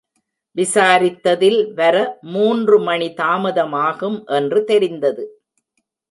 விசாரித்ததில், வர மூன்று மணி தாமதமாகும் என்று தெரிந்தது.